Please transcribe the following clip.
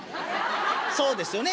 そうですよね